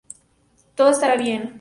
Todo estará bien.